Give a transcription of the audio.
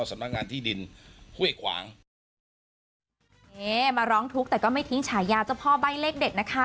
มาร้องทุกข์แต่ก็ไม่ทิ้งฉายาเจ้าพ่อใบ้เลขเด็ดนะคะ